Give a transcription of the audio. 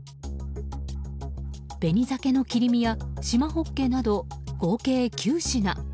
紅鮭の切り身やしまホッケなど合計９品。